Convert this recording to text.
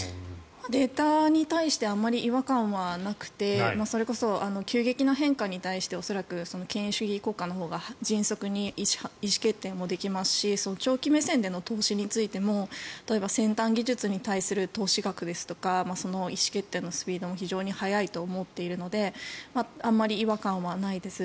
データに対してあまり違和感はなくてそれこそ急激な変化に対して恐らく権威主義国家のほうが迅速に意思決定もできますし投資目線での投資についても例えば、先端技術に対する投資額ですとかその意思決定のスピードも非常に速いと思っているのであまり違和感はないです。